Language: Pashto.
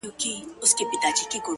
لـه ژړا دي خداى را وساته جانـانـه ـ